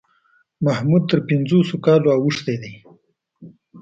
محمود تر پنځوسو کالو اوښتی دی.